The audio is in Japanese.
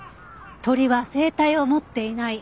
鳥は声帯を持っていない。